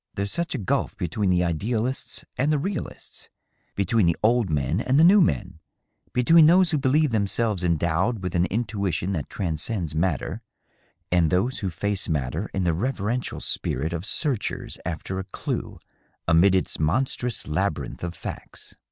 There's such a gulf between the ideal ists and the realists — between the old men and the new men — ^between those who believe themselves endowed with an intuition that transcends matter, and those who face matter in the reverential spirit of searchers after a clue amid its monstrous labyrinth of facts."